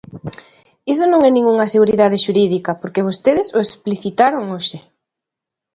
Iso non é ningunha seguridade xurídica, porque vostedes o explicitaron hoxe.